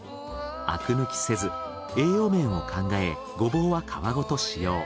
アク抜きせず栄養面を考えゴボウは皮ごと使用。